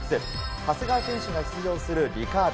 長谷川選手が出場するリカーブ。